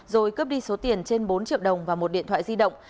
rồi cướp đi số tiền trên bốn triệu đồng và một điện thoại di động